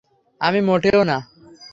আমি --- মোটেও না।